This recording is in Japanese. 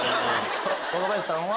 若林さんは？